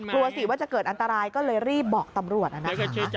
กลัวสิว่าจะเกิดอันตรายก็เลยรีบบอกตำรวจนะครับ